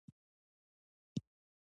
ما ته غوږ کېږده